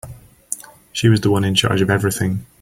She was the one in charge of everything.